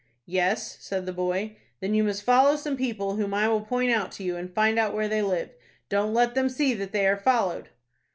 "Yes," said the boy. "Then you must follow some people whom I will point out to you, and find out where they live. Don't let them see that they are followed."